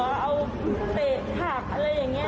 เอาเตะผักอะไรอย่างนี้